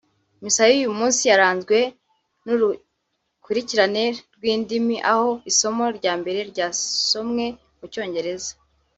Misa y’uyu munsi yaranzwe n’urukurikirane rw’indimi aho isomo rya mbere ryasomwe mu Cyongereza